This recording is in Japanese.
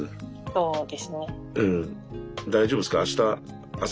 そうですね。